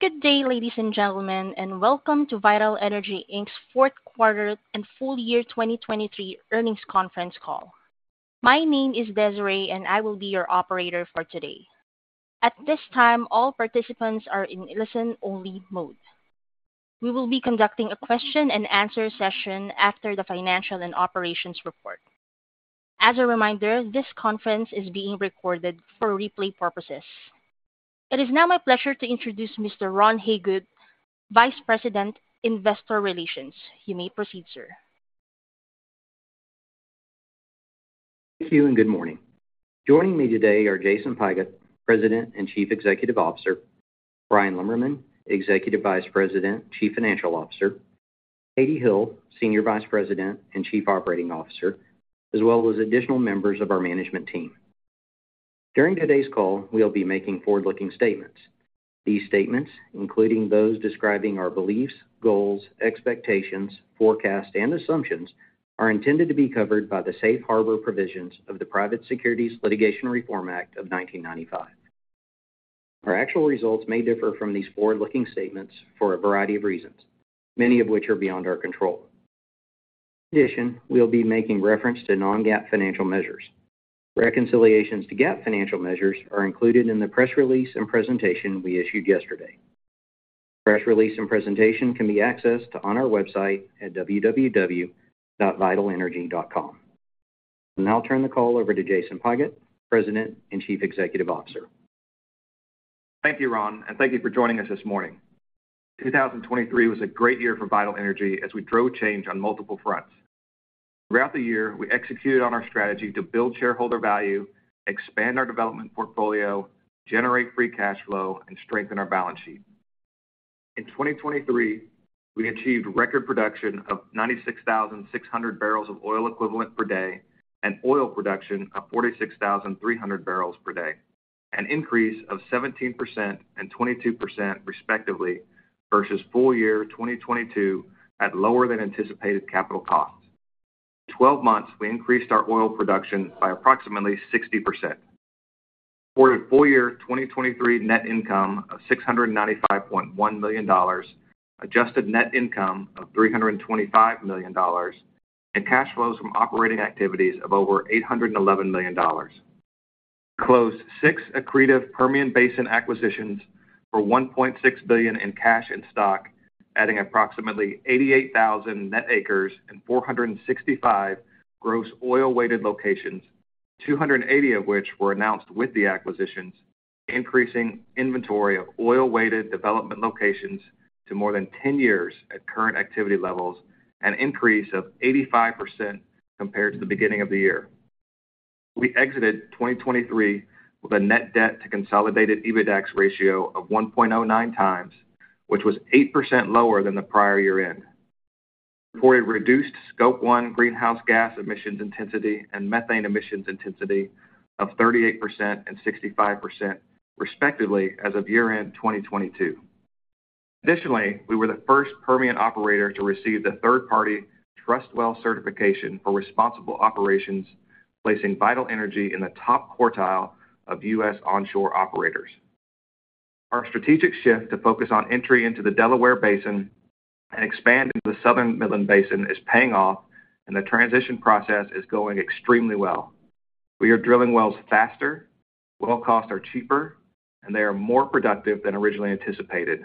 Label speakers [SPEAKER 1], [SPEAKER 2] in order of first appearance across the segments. [SPEAKER 1] Good day, ladies and gentlemen, and welcome to Vital Energy Inc.'s fourth quarter and full year 2023 earnings conference call. My name is Desiree, and I will be your operator for today. At this time, all participants are in listen-only mode. We will be conducting a question-and-answer session after the financial and operations report. As a reminder, this conference is being recorded for replay purposes. It is now my pleasure to introduce Mr. Ron Hagood, Vice President, Investor Relations. You may proceed, sir.
[SPEAKER 2] Thank you and good morning. Joining me today are Jason Pigott, President and Chief Executive Officer. Bryan Lemmerman, Executive Vice President, Chief Financial Officer. Katie Hill, Senior Vice President and Chief Operating Officer. As well as additional members of our management team. During today's call, we'll be making forward-looking statements. These statements, including those describing our beliefs, goals, expectations, forecasts, and assumptions, are intended to be covered by the Safe Harbor provisions of the Private Securities Litigation Reform Act of 1995. Our actual results may differ from these forward-looking statements for a variety of reasons, many of which are beyond our control. In addition, we'll be making reference to non-GAAP financial measures. Reconciliations to GAAP financial measures are included in the press release and presentation we issued yesterday. Press release and presentation can be accessed on our website at www.vitalenergy.com. I'll now turn the call over to Jason Pigott, President and Chief Executive Officer.
[SPEAKER 3] Thank you, Ron, and thank you for joining us this morning. 2023 was a great year for Vital Energy as we drove change on multiple fronts. Throughout the year, we executed on our strategy to build shareholder value, expand our development portfolio, generate free cash flow, and strengthen our balance sheet. In 2023, we achieved record production of 96,600 barrels of oil equivalent per day and oil production of 46,300 barrels per day, an increase of 17% and 22% respectively versus full year 2022 at lower-than-anticipated capital costs. In 12 months, we increased our oil production by approximately 60%, reported full year 2023 net income of $695.1 million, adjusted net income of $325 million, and cash flows from operating activities of over $811 million. We closed six accretive Permian Basin acquisitions for $1.6 billion in cash and stock, adding approximately 88,000 net acres and 465 gross oil-weighted locations, 280 of which were announced with the acquisitions, increasing inventory of oil-weighted development locations to more than 10 years at current activity levels and an increase of 85% compared to the beginning of the year. We exited 2023 with a net debt-to-consolidated EBITDA ratio of 1.09 times, which was 8% lower than the prior year-end. We reported reduced Scope 1 greenhouse gas emissions intensity and methane emissions intensity of 38% and 65% respectively as of year-end 2022. Additionally, we were the first Permian operator to receive the third-party TrustWell certification for responsible operations, placing Vital Energy in the top quartile of U.S. onshore operators. Our strategic shift to focus on entry into the Delaware Basin and expand into the Southern Midland Basin is paying off, and the transition process is going extremely well. We are drilling wells faster, well costs are cheaper, and they are more productive than originally anticipated.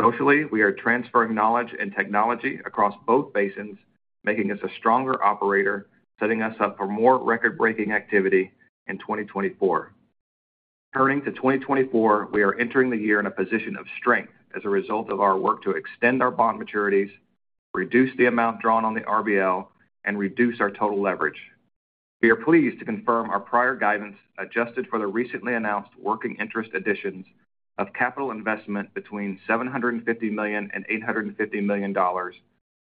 [SPEAKER 3] Socially, we are transferring knowledge and technology across both basins, making us a stronger operator, setting us up for more record-breaking activity in 2024. Turning to 2024, we are entering the year in a position of strength as a result of our work to extend our bond maturities, reduce the amount drawn on the RBL, and reduce our total leverage. We are pleased to confirm our prior guidance adjusted for the recently announced working interest additions of capital investment between $750 million and $850 million,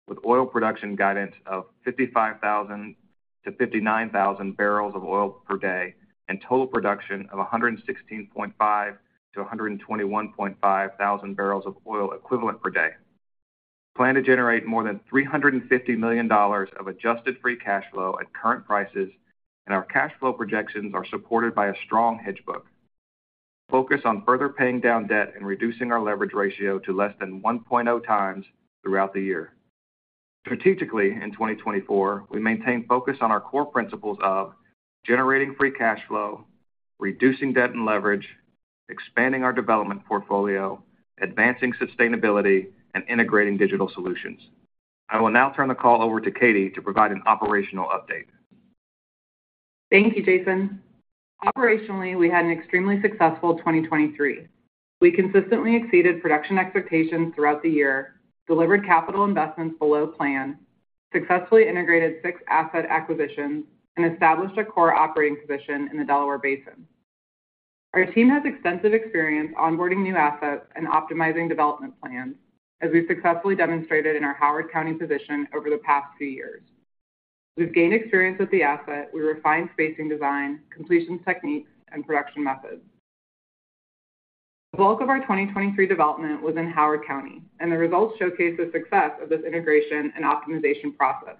[SPEAKER 3] with oil production guidance of 55,000-59,000 barrels of oil per day and total production of 116.5-121.5 thousand barrels of oil equivalent per day. We plan to generate more than $350 million of adjusted free cash flow at current prices, and our cash flow projections are supported by a strong hedge book. We focus on further paying down debt and reducing our leverage ratio to less than 1.0 times throughout the year. Strategically, in 2024, we maintain focus on our core principles of generating free cash flow, reducing debt and leverage, expanding our development portfolio, advancing sustainability, and integrating digital solutions. I will now turn the call over to Katie to provide an operational update.
[SPEAKER 4] Thank you, Jason. Operationally, we had an extremely successful 2023. We consistently exceeded production expectations throughout the year, delivered capital investments below plan, successfully integrated six asset acquisitions, and established a core operating position in the Delaware Basin. Our team has extensive experience onboarding new assets and optimizing development plans, as we've successfully demonstrated in our Howard County position over the past few years. As we've gained experience with the asset, we refined spacing design, completions techniques, and production methods. The bulk of our 2023 development was in Howard County, and the results showcase the success of this integration and optimization process.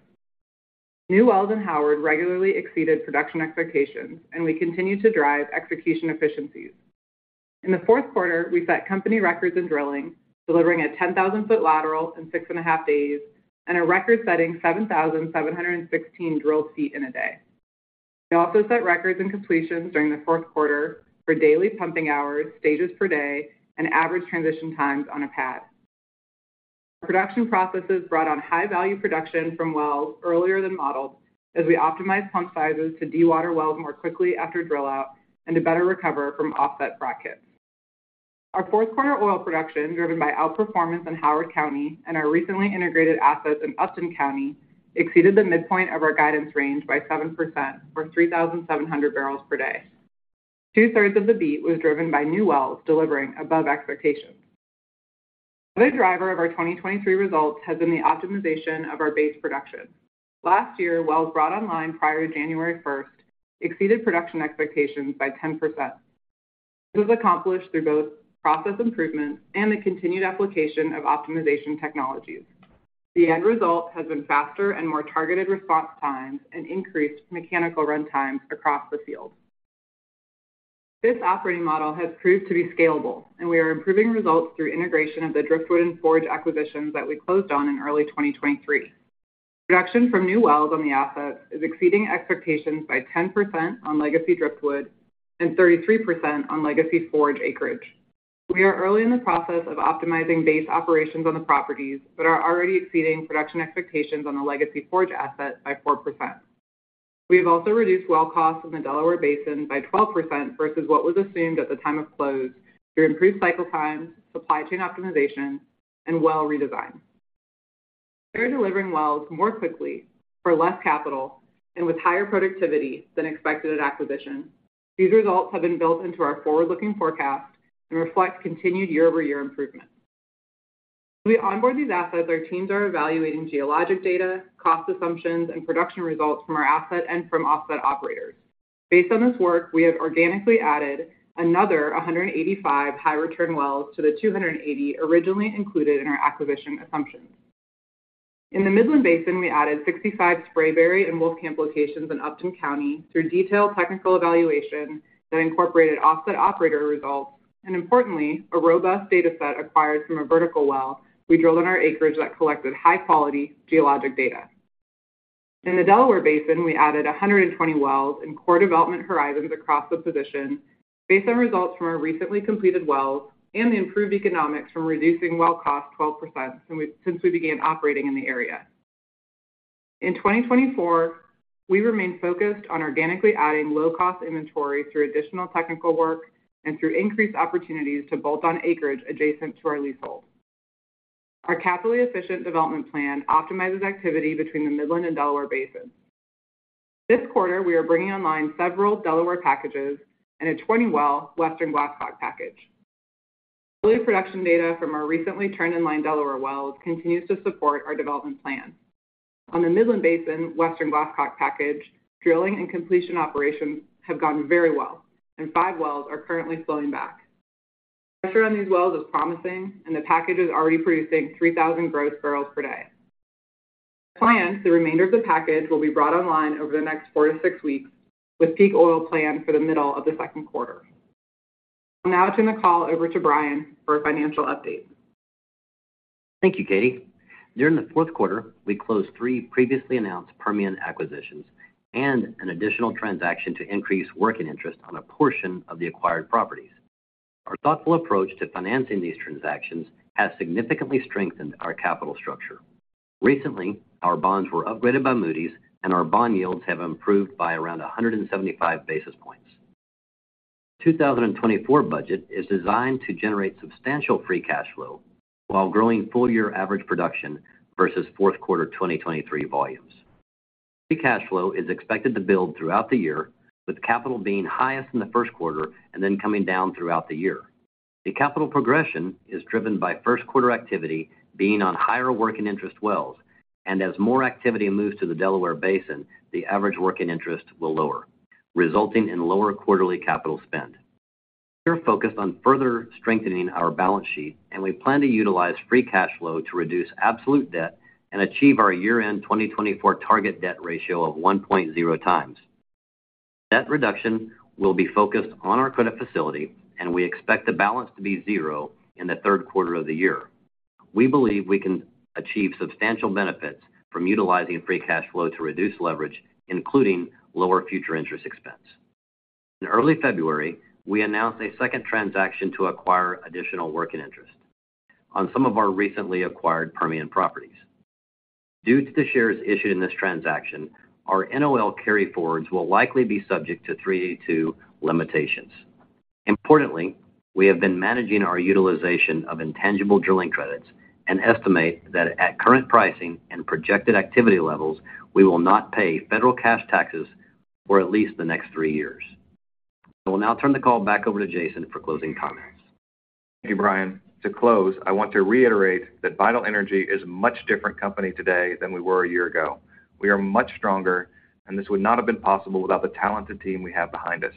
[SPEAKER 4] New wells in Howard regularly exceeded production expectations, and we continue to drive execution efficiencies. In the fourth quarter, we set company records in drilling, delivering a 10,000-foot lateral in six and a half days and a record-setting 7,716 drilled feet in a day. We also set records in completions during the fourth quarter for daily pumping hours, stages per day, and average transition times on a pad. Our production processes brought on high-value production from wells earlier than modeled, as we optimized pump sizes to dewater wells more quickly after drill-out and to better recover from offset brackets. Our fourth quarter oil production, driven by outperformance in Howard County and our recently integrated assets in Upton County, exceeded the midpoint of our guidance range by 7% for 3,700 barrels per day. 2/3 of the beat was driven by new wells delivering above expectations. Another driver of our 2023 results has been the optimization of our base production. Last year, wells brought online prior to January 1st exceeded production expectations by 10%. This was accomplished through both process improvements and the continued application of optimization technologies. The end result has been faster and more targeted response times and increased mechanical runtimes across the field. This operating model has proved to be scalable, and we are improving results through integration of the Driftwood and Forge acquisitions that we closed on in early 2023. Production from new wells on the assets is exceeding expectations by 10% on legacy Driftwood and 33% on legacy Forge acreage. We are early in the process of optimizing base operations on the properties but are already exceeding production expectations on the legacy Forge asset by 4%. We have also reduced well costs in the Delaware Basin by 12% versus what was assumed at the time of close through improved cycle times, supply chain optimization, and well redesign. We are delivering wells more quickly, for less capital, and with higher productivity than expected at acquisition. These results have been built into our forward-looking forecast and reflect continued year-over-year improvement. As we onboard these assets, our teams are evaluating geologic data, cost assumptions, and production results from our asset and from offset operators. Based on this work, we have organically added another 185 high-return wells to the 280 originally included in our acquisition assumptions. In the Midland Basin, we added 65 Sprayberry and Wolfcamp locations in Upton County through detailed technical evaluation that incorporated offset operator results and, importantly, a robust dataset acquired from a vertical well we drilled on our acreage that collected high-quality geologic data. In the Delaware Basin, we added 120 wells and core development horizons across the position based on results from our recently completed wells and the improved economics from reducing well cost 12% since we began operating in the area. In 2024, we remain focused on organically adding low-cost inventory through additional technical work and through increased opportunities to bolt-on acreage adjacent to our leasehold. Our Capital-Efficient Development Plan optimizes activity between the Midland and Delaware Basins. This quarter, we are bringing online several Delaware packages and a 20-well Western Glasscock package. Early production data from our recently turned-in-line Delaware wells continues to support our development plan. On the Midland Basin Western Glasscock package, drilling and completion operations have gone very well, and five wells are currently flowing back. Pressure on these wells is promising, and the package is already producing 3,000 gross barrels per day. As planned, the remainder of the package will be brought online over the next 4-6 weeks with peak oil planned for the middle of the second quarter. I'll now turn the call over to Bryan for a financial update.
[SPEAKER 5] Thank you, Katie. During the fourth quarter, we closed 3 previously announced Permian acquisitions and an additional transaction to increase working interest on a portion of the acquired properties. Our thoughtful approach to financing these transactions has significantly strengthened our capital structure. Recently, our bonds were upgraded by Moody's, and our bond yields have improved by around 175 basis points. The 2024 budget is designed to generate substantial free cash flow while growing full-year average production versus fourth quarter 2023 volumes. Free cash flow is expected to build throughout the year, with capital being highest in the first quarter and then coming down throughout the year. The capital progression is driven by first-quarter activity being on higher working interest wells, and as more activity moves to the Delaware Basin, the average working interest will lower, resulting in lower quarterly capital spend. We are focused on further strengthening our balance sheet, and we plan to utilize free cash flow to reduce absolute debt and achieve our year-end 2024 target debt ratio of 1.0x. Debt reduction will be focused on our credit facility, and we expect the balance to be 0 in the third quarter of the year. We believe we can achieve substantial benefits from utilizing free cash flow to reduce leverage, including lower future interest expense. In early February, we announced a second transaction to acquire additional working interest on some of our recently acquired Permian properties. Due to the shares issued in this transaction, our NOL carryforwards will likely be subject to 382 Limitations. Importantly, we have been managing our utilization of intangible drilling credits and estimate that at current pricing and projected activity levels, we will not pay federal cash taxes for at least the next three years. I will now turn the call back over to Jason for closing comments.
[SPEAKER 3] Thank you, Bryan. To close, I want to reiterate that Vital Energy is a much different company today than we were a year ago. We are much stronger, and this would not have been possible without the talented team we have behind us.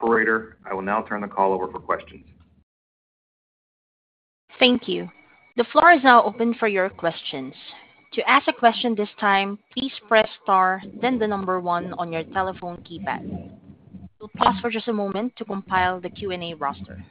[SPEAKER 3] Operator, I will now turn the call over for questions.
[SPEAKER 1] Thank you. The floor is now open for your questions. To ask a question this time, please press star then the number one on your telephone keypad. We'll pause for just a moment to compile the Q&A roster.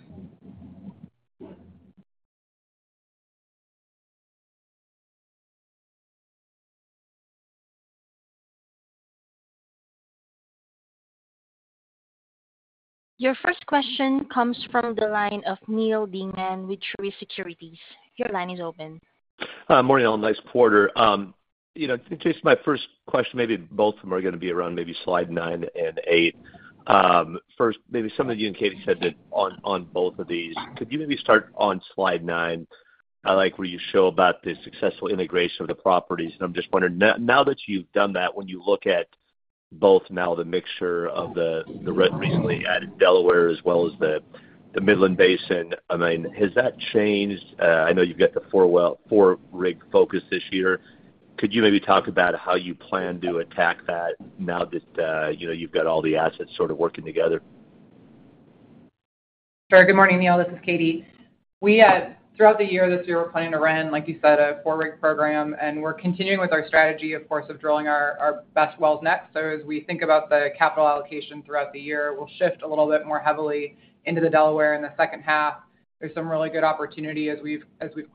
[SPEAKER 1] Your first question comes from the line of Neal Dingmann with Truist Securities. Your line is open.
[SPEAKER 6] Morning, all. Nice quarter. Jason, my first question maybe both of them are going to be around maybe slide 9 and 8. Maybe some of you and Katie said that on both of these. Could you maybe start on slide 9, where you show about the successful integration of the properties? And I'm just wondering, now that you've done that, when you look at both now, the mixture of the recently added Delaware Basin as well as the Midland Basin, has that changed? I know you've got the 4-rig focus this year. Could you maybe talk about how you plan to attack that now that you've got all the assets sort of working together?
[SPEAKER 4] Sure. Good morning, Neal. This is Katie. Throughout the year this year, we're planning to run, like you said, a 4-rig program, and we're continuing with our strategy, of course, of drilling our best wells next. So as we think about the capital allocation throughout the year, we'll shift a little bit more heavily into the Delaware in the second half. There's some really good opportunity as we've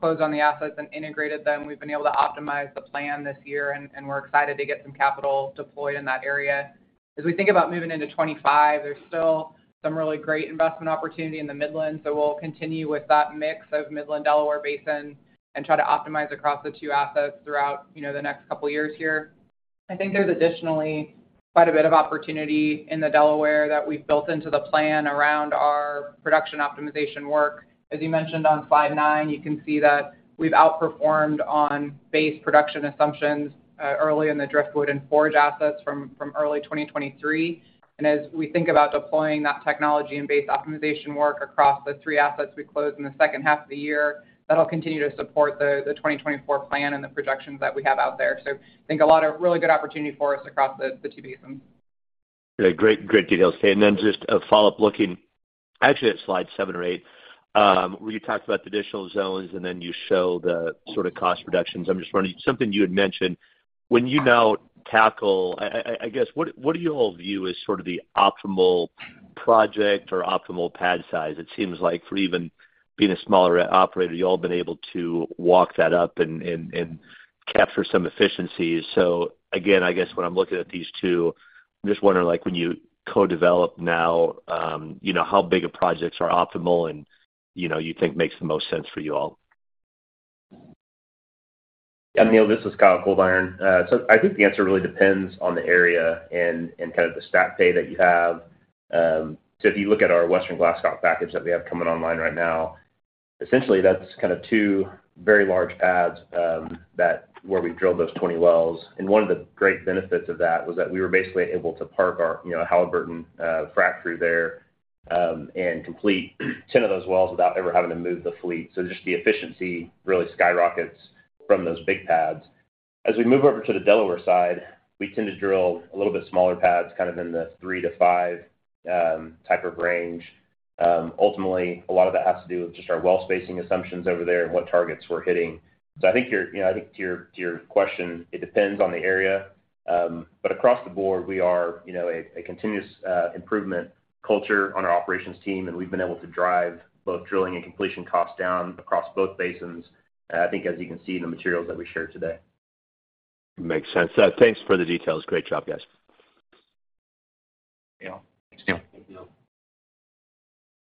[SPEAKER 4] closed on the assets and integrated them. We've been able to optimize the plan this year, and we're excited to get some capital deployed in that area. As we think about moving into 2025, there's still some really great investment opportunity in the Midland, so we'll continue with that mix of Midland, Delaware Basin, and try to optimize across the two assets throughout the next couple of years here. I think there's additionally quite a bit of opportunity in the Delaware that we've built into the plan around our production optimization work. As you mentioned on slide 9, you can see that we've outperformed on base production assumptions early in the Driftwood and Forge assets from early 2023. And as we think about deploying that technology and base optimization work across the three assets we closed in the second half of the year, that'll continue to support the 2024 plan and the projections that we have out there. So I think a lot of really good opportunity for us across the two basins.
[SPEAKER 6] Great, great details, Katie. And then just a follow-up looking actually at slide 7 or 8, where you talked about the additional zones and then you show the sort of cost reductions. I'm just wondering, something you had mentioned, when you now tackle I guess, what do you all view as sort of the optimal project or optimal pad size? It seems like for even being a smaller operator, you all have been able to walk that up and capture some efficiencies. So again, I guess when I'm looking at these two, I'm just wondering, when you co-develop now, how big of projects are optimal and you think makes the most sense for you all?
[SPEAKER 7] Yeah, Neal, this is Kyle Coldiron. So I think the answer really depends on the area and kind of the stack pay that you have. So if you look at our Western Glasscock package that we have coming online right now, essentially, that's kind of two very large pads where we've drilled those 20 wells. And one of the great benefits of that was that we were basically able to park our Halliburton frac through there and complete 10 of those wells without ever having to move the fleet. So just the efficiency really skyrockets from those big pads. As we move over to the Delaware side, we tend to drill a little bit smaller pads, kind of in the 3-5 type of range. Ultimately, a lot of that has to do with just our well spacing assumptions over there and what targets we're hitting. I think to your question, it depends on the area. But across the board, we are a continuous improvement culture on our operations team, and we've been able to drive both drilling and completion costs down across both basins, I think, as you can see in the materials that we shared today.
[SPEAKER 6] Makes sense. Thanks for the details. Great job, guys.
[SPEAKER 7] Thanks, Neal.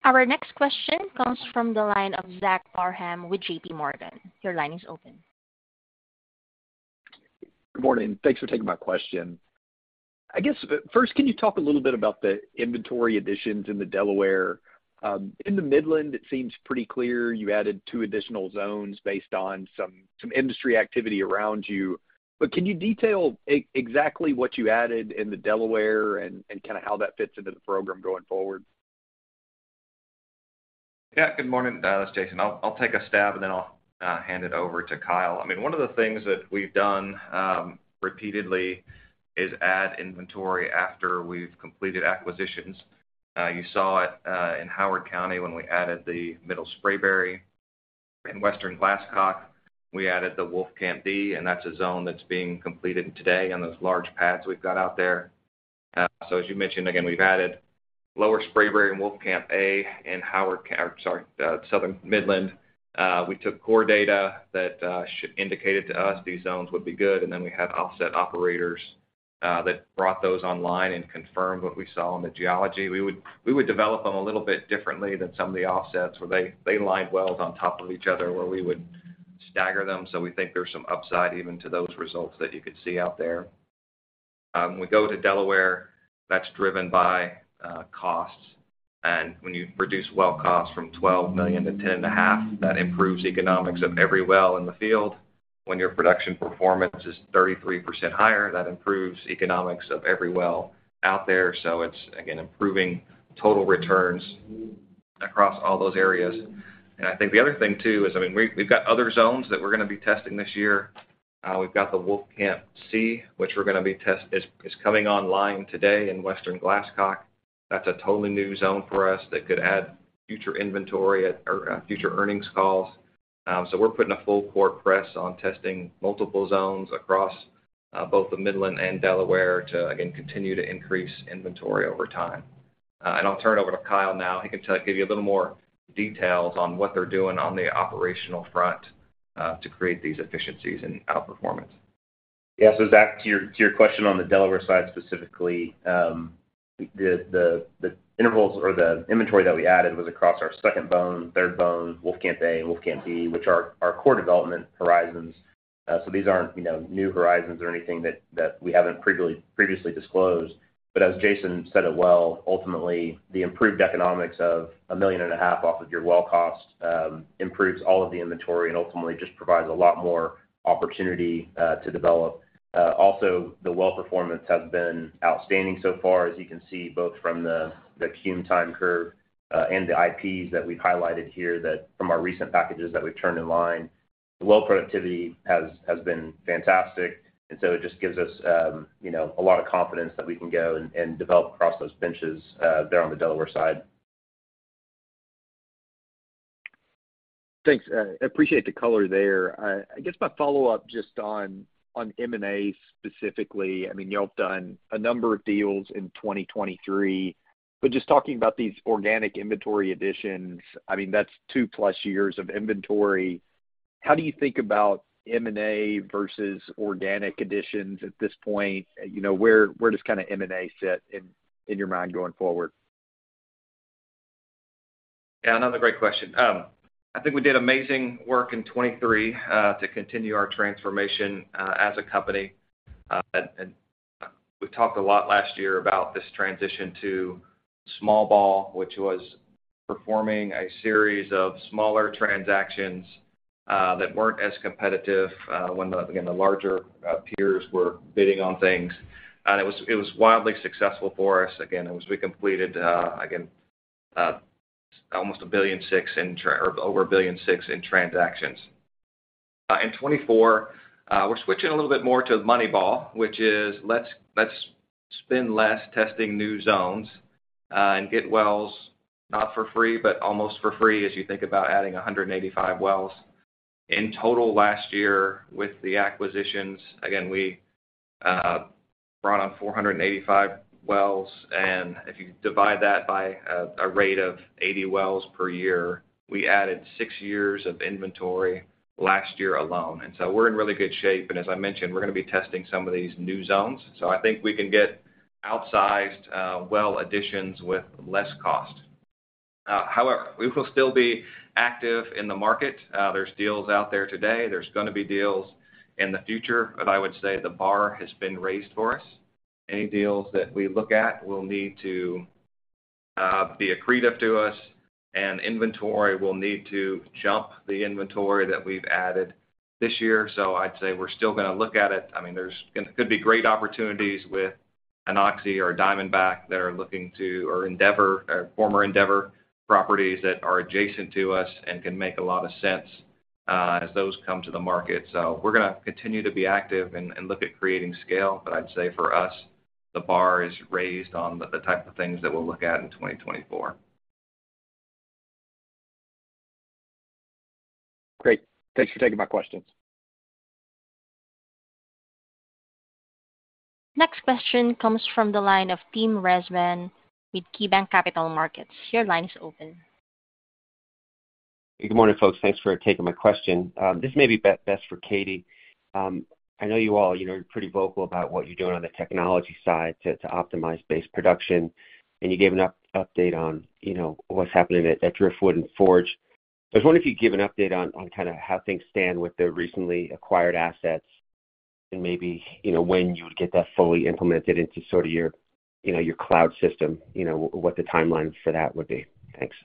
[SPEAKER 1] Our next question comes from the line of Zach Parham with JP Morgan. Your line is open.
[SPEAKER 8] Good morning. Thanks for taking my question. I guess first, can you talk a little bit about the inventory additions in the Delaware? In the Midland, it seems pretty clear you added 2 additional zones based on some industry activity around you. But can you detail exactly what you added in the Delaware and kind of how that fits into the program going forward?
[SPEAKER 3] Yeah. Good morning, this is Jason. I'll take a stab, and then I'll hand it over to Kyle. I mean, one of the things that we've done repeatedly is add inventory after we've completed acquisitions. You saw it in Howard County when we added the Middle Sprayberry. In Western Glasscock, we added the Wolfcamp D, and that's a zone that's being completed today on those large pads we've got out there. So as you mentioned, again, we've added Lower Sprayberry and Wolfcamp A in Howard, or sorry, Southern Midland. We took core data that indicated to us these zones would be good, and then we had offset operators that brought those online and confirmed what we saw on the geology. We would develop them a little bit differently than some of the offsets, where they lined wells on top of each other, where we would stagger them. So we think there's some upside even to those results that you could see out there. When we go to Delaware, that's driven by costs. And when you reduce well costs from $12 million to $10.5 million, that improves economics of every well in the field. When your production performance is 33% higher, that improves economics of every well out there. So it's, again, improving total returns across all those areas. And I think the other thing, too, is I mean, we've got other zones that we're going to be testing this year. We've got the Wolfcamp C, which we're going to be testing, is coming online today in western Glasscock. That's a totally new zone for us that could add future inventory or future earnings calls. So we're putting a full-court press on testing multiple zones across both the Midland Basin and Delaware Basin to, again, continue to increase inventory over time. And I'll turn it over to Kyle now. He can give you a little more details on what they're doing on the operational front to create these efficiencies and outperformance.
[SPEAKER 7] Yeah. So Zach, to your question on the Delaware Basin side specifically, the intervals or the inventory that we added was across our 2nd Bone Spring, 3rd Bone Spring, Wolfcamp A, and Wolfcamp B, which are our core development horizons. So these aren't new horizons or anything that we haven't previously disclosed. But as Jason said it well, ultimately, the improved economics of $1.5 million off of your well cost improves all of the inventory and ultimately just provides a lot more opportunity to develop. Also, the well performance has been outstanding so far, as you can see, both from the cum time curve and the IPs that we've highlighted here from our recent packages that we've turned inline. The well productivity has been fantastic, and so it just gives us a lot of confidence that we can go and develop across those benches there on the Delaware side.
[SPEAKER 8] Thanks. I appreciate the color there. I guess my follow-up just on M&A specifically, I mean, y'all have done a number of deals in 2023. But just talking about these organic inventory additions, I mean, that's 2+ years of inventory. How do you think about M&A versus organic additions at this point? Where does kind of M&A sit in your mind going forward?
[SPEAKER 3] Yeah, another great question. I think we did amazing work in 2023 to continue our transformation as a company. We talked a lot last year about this transition to small ball, which was performing a series of smaller transactions that weren't as competitive when, again, the larger peers were bidding on things. And it was wildly successful for us. Again, we completed, again, almost $1.6 billion or over $1.6 billion in transactions. In 2024, we're switching a little bit more to Moneyball, which is let's spend less testing new zones and get wells not for free, but almost for free as you think about adding 185 wells. In total last year, with the acquisitions, again, we brought on 485 wells. And if you divide that by a rate of 80 wells per year, we added six years of inventory last year alone. We're in really good shape. As I mentioned, we're going to be testing some of these new zones. I think we can get outsized well additions with less cost. However, we will still be active in the market. There's deals out there today. There's going to be deals in the future, but I would say the bar has been raised for us. Any deals that we look at will need to be accretive to us, and inventory will need to jump the inventory that we've added this year. I'd say we're still going to look at it. I mean, there could be great opportunities with Oxy or Diamondback that are looking to or former Endeavor properties that are adjacent to us and can make a lot of sense as those come to the market. We're going to continue to be active and look at creating scale. But I'd say for us, the bar is raised on the type of things that we'll look at in 2024.
[SPEAKER 8] Great. Thanks for taking my questions.
[SPEAKER 1] Next question comes from the line of Tim Rezvan with KeyBanc Capital Markets. Your line is open.
[SPEAKER 9] Hey, good morning, folks. Thanks for taking my question. This may be best for Katie. I know you all are pretty vocal about what you're doing on the technology side to optimize base production, and you gave an update on what's happening at Driftwood and Forge. I was wondering if you'd give an update on kind of how things stand with the recently acquired assets and maybe when you would get that fully implemented into sort of your cloud system, what the timeline for that would be. Thanks.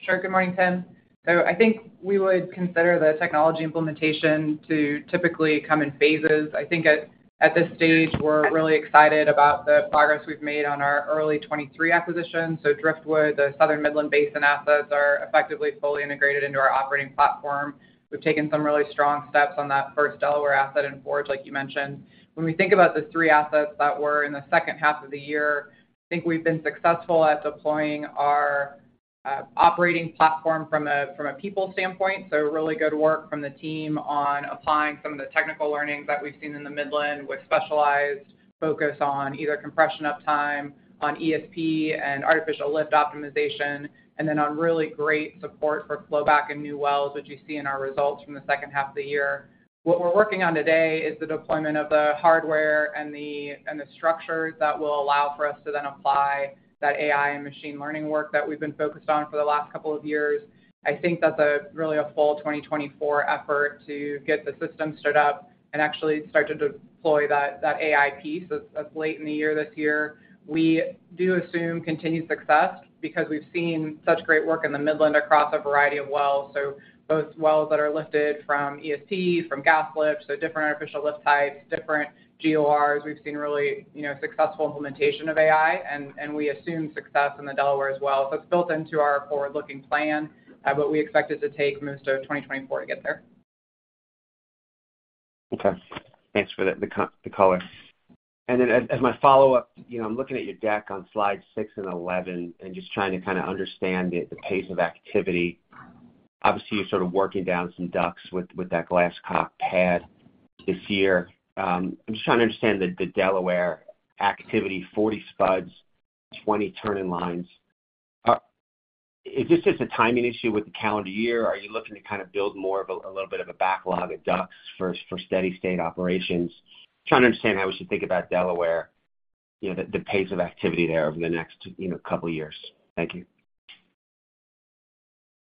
[SPEAKER 4] Sure. Good morning, Tim. So I think we would consider the technology implementation to typically come in phases. I think at this stage, we're really excited about the progress we've made on our early 2023 acquisition. So Driftwood, the Southern Midland Basin assets are effectively fully integrated into our operating platform. We've taken some really strong steps on that first Delaware asset and Forge, like you mentioned. When we think about the three assets that were in the second half of the year, I think we've been successful at deploying our operating platform from a people standpoint. So really good work from the team on applying some of the technical learnings that we've seen in the Midland with specialized focus on either compression uptime, on ESP, and artificial lift optimization, and then on really great support for flowback in new wells, which you see in our results from the second half of the year. What we're working on today is the deployment of the hardware and the structures that will allow for us to then apply that AI and machine learning work that we've been focused on for the last couple of years. I think that's really a full 2024 effort to get the system stood up and actually start to deploy that AI piece. It's late in the year this year. We do assume continued success because we've seen such great work in the Midland across a variety of wells, so both wells that are lifted from ESP, from gas lift, so different artificial lift types, different GORs. We've seen really successful implementation of AI, and we assume success in the Delaware as well. So it's built into our forward-looking plan, but we expect it to take most of 2024 to get there.
[SPEAKER 9] Okay. Thanks for the color. Then as my follow-up, I'm looking at your deck on slides 6 and 11 and just trying to kind of understand the pace of activity. Obviously, you're sort of working down some DUCs with that Glasscock pad this year. I'm just trying to understand the Delaware activity: 40 spuds, 20 turn-in lines. Is this just a timing issue with the calendar year? Are you looking to kind of build more of a little bit of a backlog of DUCs for steady-state operations? Trying to understand how we should think about Delaware, the pace of activity there over the next couple of years. Thank you.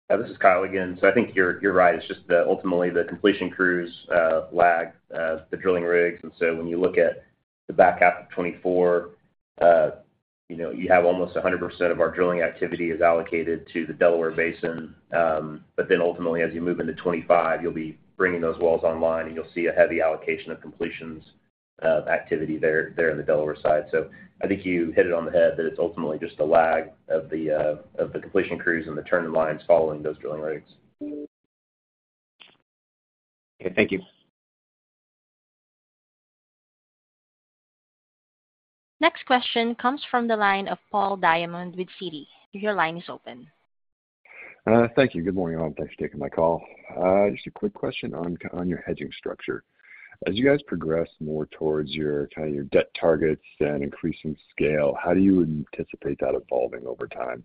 [SPEAKER 7] Yeah, this is Kyle again. So I think you're right. It's just ultimately the completion crews lag, the drilling rigs. And so when you look at the back half of 2024, you have almost 100% of our drilling activity is allocated to the Delaware Basin. But then ultimately, as you move into 2025, you'll be bringing those wells online, and you'll see a heavy allocation of completions activity there in the Delaware side. So I think you hit it on the head that it's ultimately just a lag of the completion crews and the turn-inlines following those drilling rigs.
[SPEAKER 9] Okay. Thank you.
[SPEAKER 1] Next question comes from the line of Paul Diamond with Citi. Your line is open.
[SPEAKER 10] Thank you. Good morning, all. Thanks for taking my call. Just a quick question on your hedging structure. As you guys progress more towards kind of your debt targets and increasing scale, how do you anticipate that evolving over time?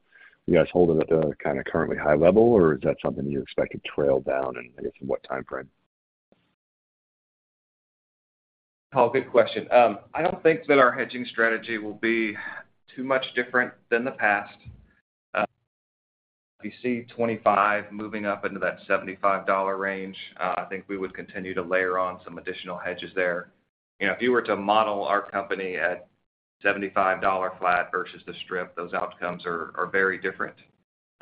[SPEAKER 10] Are you guys holding it at a kind of currently high level, or is that something you expect to trail down, I guess, in what time frame?
[SPEAKER 3] Oh, good question. I don't think that our hedging strategy will be too much different than the past. If you see 2025 moving up into that $75 range, I think we would continue to layer on some additional hedges there. If you were to model our company at $75 flat versus the strip, those outcomes are very different.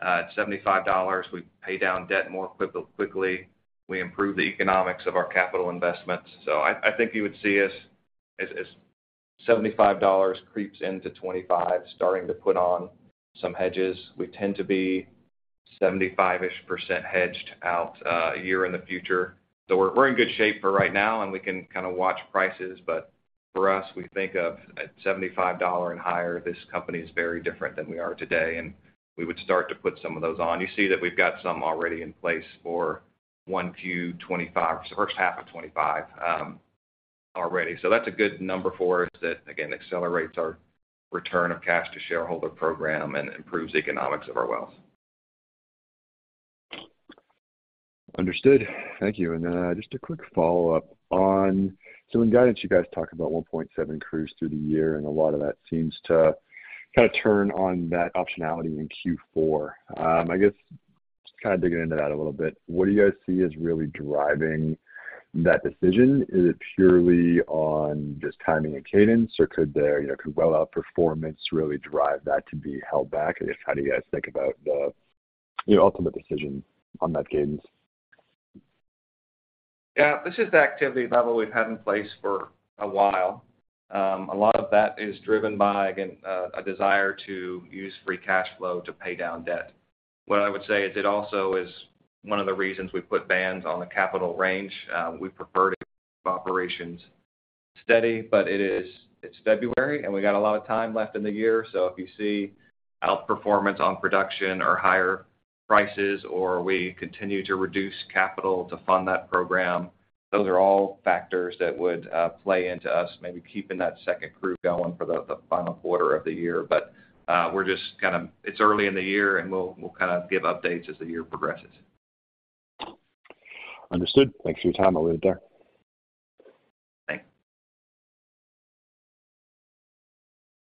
[SPEAKER 3] At $75, we pay down debt more quickly. We improve the economics of our capital investments. So I think you would see us as $75 creeps into 2025, starting to put on some hedges. We tend to be 75-ish% hedged out a year in the future. So we're in good shape for right now, and we can kind of watch prices. But for us, we think of at $75 and higher, this company is very different than we are today, and we would start to put some of those on. You see that we've got some already in place for 1Q 2025, so first half of 2025 already. So that's a good number for us that, again, accelerates our return of cash to shareholder program and improves the economics of our wells.
[SPEAKER 10] Understood. Thank you. And then just a quick follow-up. So in guidance, you guys talk about 1.7 crews through the year, and a lot of that seems to kind of turn on that optionality in Q4. I guess just kind of digging into that a little bit, what do you guys see as really driving that decision? Is it purely on just timing and cadence, or could well outperformance really drive that to be held back? I guess how do you guys think about the ultimate decision on that cadence?
[SPEAKER 3] Yeah, this is the activity level we've had in place for a while. A lot of that is driven by, again, a desire to use free cash flow to pay down debt. What I would say is it also is one of the reasons we put bands on the capital range. We prefer to keep operations steady, but it's February, and we got a lot of time left in the year. So if you see outperformance on production or higher prices or we continue to reduce capital to fund that program, those are all factors that would play into us maybe keeping that second crew going for the final quarter of the year. But we're just kind of, it's early in the year, and we'll kind of give updates as the year progresses.
[SPEAKER 10] Understood. Thanks for your time. I'll leave it there.
[SPEAKER 3] Thanks.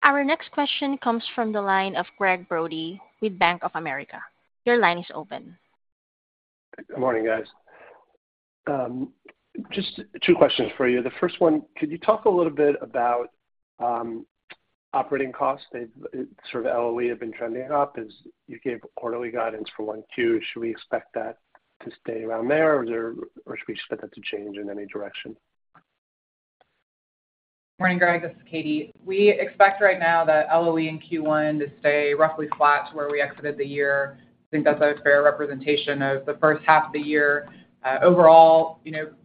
[SPEAKER 1] Our next question comes from the line of Gregg Brody with Bank of America. Your line is open.
[SPEAKER 11] Good morning, guys. Just 2 questions for you. The first one, could you talk a little bit about operating costs? Sort of LOE have been trending up. You gave quarterly guidance for 1Q. Should we expect that to stay around there, or should we expect that to change in any direction?
[SPEAKER 4] Morning, Greg. This is Katie. We expect right now that LOE in Q1 to stay roughly flat to where we exited the year. I think that's a fair representation of the first half of the year. Overall,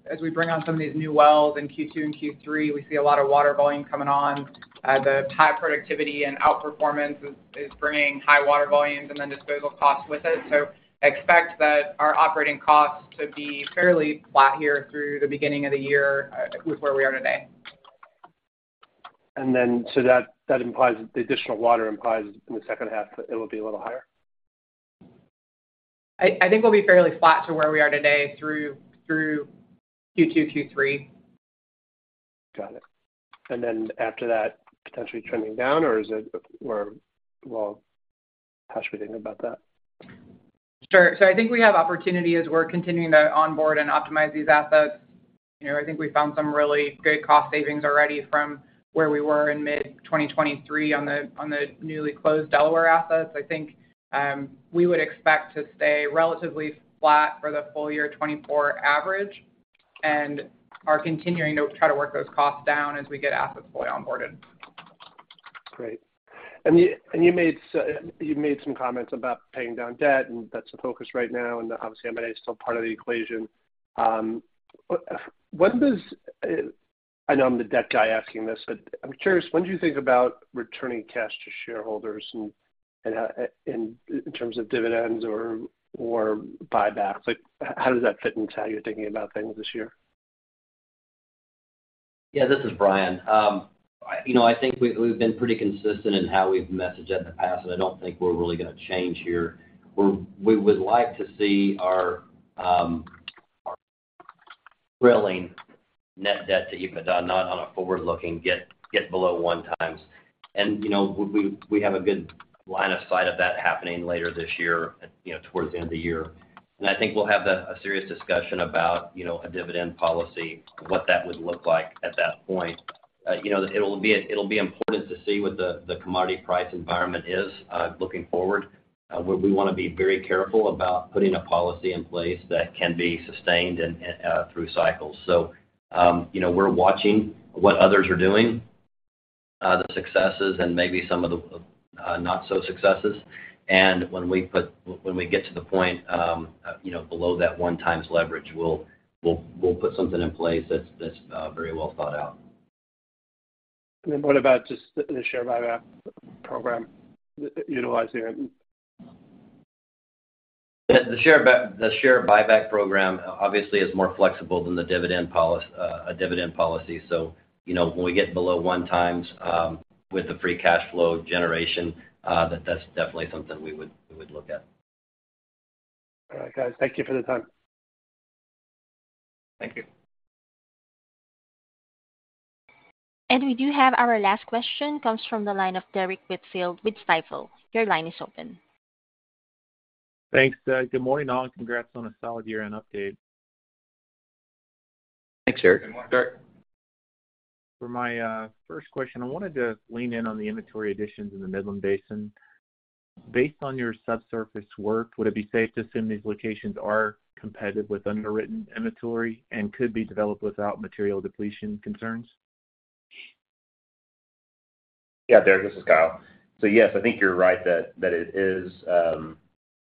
[SPEAKER 4] as we bring on some of these new wells in Q2 and Q3, we see a lot of water volume coming on. The high productivity and outperformance is bringing high water volumes and then disposal costs with it. So expect that our operating costs to be fairly flat here through the beginning of the year with where we are today.
[SPEAKER 11] That implies the additional water implies in the second half that it will be a little higher?
[SPEAKER 4] I think we'll be fairly flat to where we are today through Q2, Q3.
[SPEAKER 11] Got it. And then after that, potentially trending down, or is it, well, how should we think about that?
[SPEAKER 4] Sure. So I think we have opportunity as we're continuing to onboard and optimize these assets. I think we found some really good cost savings already from where we were in mid-2023 on the newly closed Delaware assets. I think we would expect to stay relatively flat for the full year 2024 average and are continuing to try to work those costs down as we get assets fully onboarded.
[SPEAKER 11] Great. And you made some comments about paying down debt, and that's the focus right now. And obviously, M&A is still part of the equation. I know I'm the debt guy asking this, but I'm curious, when do you think about returning cash to shareholders in terms of dividends or buybacks? How does that fit into how you're thinking about things this year?
[SPEAKER 5] Yeah, this is Bryan. I think we've been pretty consistent in how we've messaged in the past, and I don't think we're really going to change here. We would like to see our net debt to EBITDA, not on a forward-looking, get below one times. And I think we'll have a serious discussion about a dividend policy, what that would look like at that point. It'll be important to see what the commodity price environment is looking forward. We want to be very careful about putting a policy in place that can be sustained through cycles. So we're watching what others are doing, the successes and maybe some of the not-so-successes. When we get to the point below that 1x leverage, we'll put something in place that's very well thought out.
[SPEAKER 11] What about just the share buyback program utilizing it?
[SPEAKER 5] The share buyback program obviously is more flexible than the dividend policy. When we get below 1x with the free cash flow generation, that's definitely something we would look at.
[SPEAKER 11] All right, guys. Thank you for the time.
[SPEAKER 7] Thank you.
[SPEAKER 1] We do have our last question. It comes from the line of Derrick Whitfield with Stifel. Your line is open.
[SPEAKER 12] Thanks, Ron. Good morning, all, and congrats on a solid year-end update.
[SPEAKER 7] Thanks, Derrick.
[SPEAKER 12] For my first question, I wanted to lean in on the inventory additions in the Midland Basin. Based on your subsurface work, would it be safe to assume these locations are competitive with underwritten inventory and could be developed without material depletion concerns?
[SPEAKER 7] Yeah, Derrick, this is Kyle. So yes, I think you're right that it is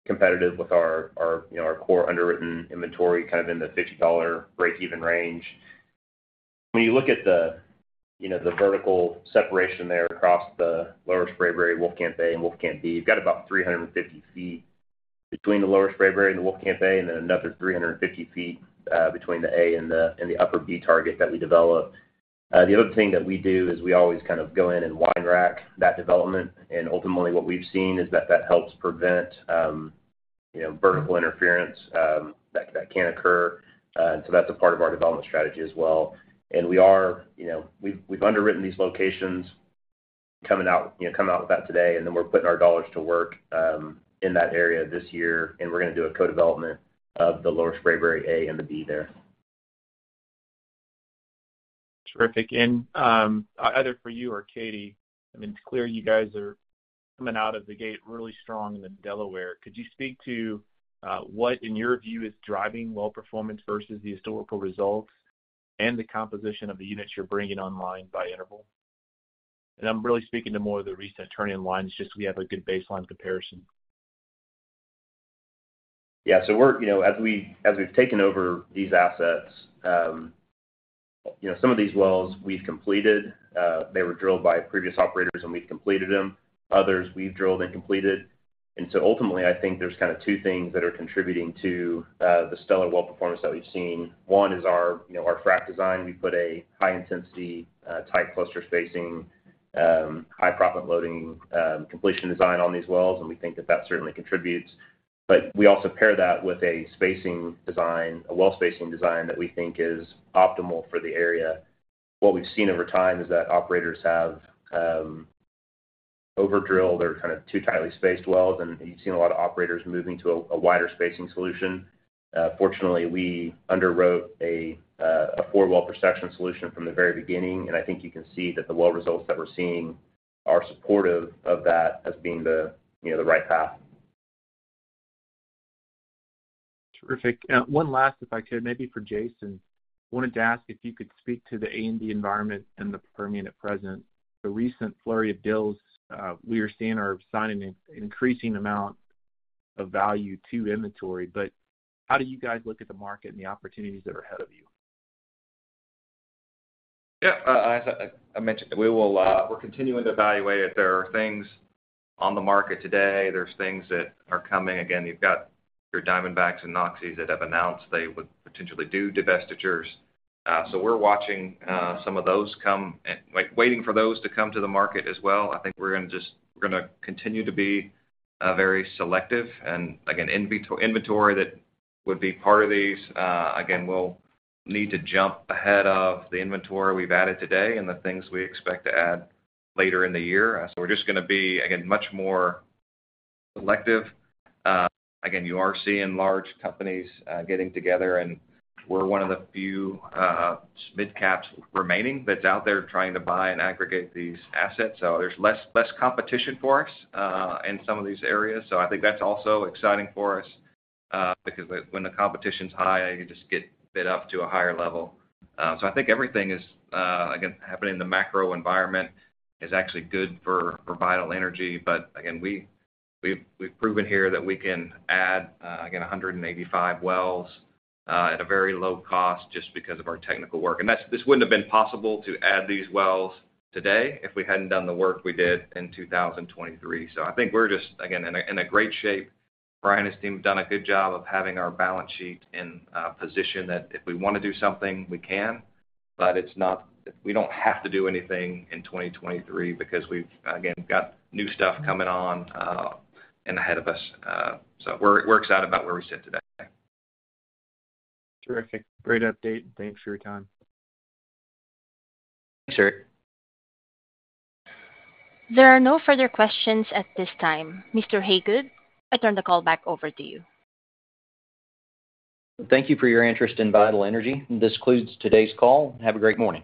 [SPEAKER 7] competitive with our core underwritten inventory kind of in the $50 break-even range. When you look at the vertical separation there across the Lower Sprayberry, Wolfcamp A, and Wolfcamp B, you've got about 350 feet between the Lower Sprayberry and the Wolfcamp A, and then another 350 feet between the A and the upper B target that we develop. The other thing that we do is we always kind of go in and wine rack that development. And ultimately, what we've seen is that that helps prevent vertical interference that can occur. And so that's a part of our development strategy as well. And we've underwritten these locations, coming out with that today, and then we're putting our dollars to work in that area this year. We're going to do a co-development of the Lower Sprayberry A and the B there.
[SPEAKER 12] Terrific. And either for you or Katie, I mean, it's clear you guys are coming out of the gate really strong in the Delaware. Could you speak to what, in your view, is driving well performance versus the historical results and the composition of the units you're bringing online by interval? And I'm really speaking to more of the recent turning lines. Just so we have a good baseline comparison.
[SPEAKER 7] Yeah. So as we've taken over these assets, some of these wells, we've completed. They were drilled by previous operators, and we've completed them. Others, we've drilled and completed. And so ultimately, I think there's kind of two things that are contributing to the stellar well performance that we've seen. One is our frac design. We put a high-intensity tight cluster spacing, high-proppant loading completion design on these wells, and we think that that certainly contributes. But we also pair that with a well spacing design that we think is optimal for the area. What we've seen over time is that operators have overdrilled or kind of too tightly spaced wells, and you've seen a lot of operators moving to a wider spacing solution. Fortunately, we underwrote a four-wall protection solution from the very beginning. And I think you can see that the well results that we're seeing are supportive of that as being the right path.
[SPEAKER 12] Terrific. One last, if I could, maybe for Jason, wanted to ask if you could speak to the A&D environment and the Permian unit present. The recent flurry of deals we are seeing are assigning an increasing amount of value to inventory. But how do you guys look at the market and the opportunities that are ahead of you?
[SPEAKER 3] Yeah, as I mentioned, we're continuing to evaluate if there are things on the market today. There's things that are coming. Again, you've got your Diamondbacks and Oxys that have announced they would potentially do divestitures. So we're watching some of those come, waiting for those to come to the market as well. I think we're going to continue to be very selective. And again, inventory that would be part of these, again, we'll need to jump ahead of the inventory we've added today and the things we expect to add later in the year. So we're just going to be, again, much more selective. Again, you are seeing large companies getting together, and we're one of the few midcaps remaining that's out there trying to buy and aggregate these assets. So there's less competition for us in some of these areas. So I think that's also exciting for us because when the competition's high, you just get bid up to a higher level. So I think everything is, again, happening in the macro environment is actually good for Vital Energy. But again, we've proven here that we can add, again, 185 wells at a very low cost just because of our technical work. And this wouldn't have been possible to add these wells today if we hadn't done the work we did in 2023. So I think we're just, again, in a great shape. Bryan and his team have done a good job of having our balance sheet in position that if we want to do something, we can. But we don't have to do anything in 2023 because we've, again, got new stuff coming on and ahead of us. So we're excited about where we sit today.
[SPEAKER 12] Terrific. Great update. Thanks for your time.
[SPEAKER 3] Thanks, Derrick.
[SPEAKER 1] There are no further questions at this time. Mr. Hagood, I turn the call back over to you.
[SPEAKER 2] Thank you for your interest in Vital Energy. This concludes today's call. Have a great morning.